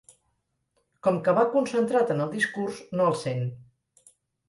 Com que va concentrat en el discurs no els sent.